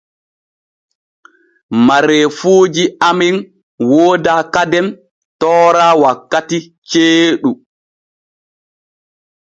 Mareefuuji amen wooda kadem toora wakkiti jeeɗu.